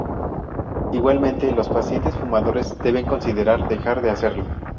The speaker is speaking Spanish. Igualmente, los pacientes fumadores deben considerar dejar de hacerlo.